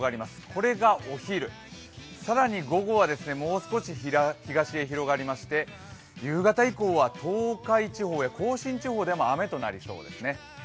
これがお昼、更に午後は、もう少し東へ広がりまして、夕方以降は東海地方や甲信地方でも雨となりそうですね。